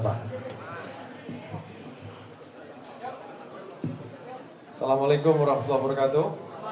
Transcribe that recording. wassalamu'alaikum warahmatullahi wabarakatuh